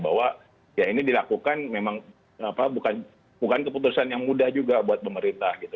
bahwa ya ini dilakukan memang bukan keputusan yang mudah juga buat pemerintah gitu